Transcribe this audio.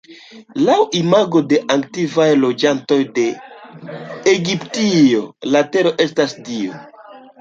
Laŭ imago de antikvaj loĝantoj de Egiptio, la tero estas dio.